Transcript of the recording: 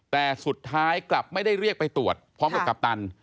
แต่สุดท้ายกลับไม่ได้เรียกไปตรวจพร้อมกับกัปตัน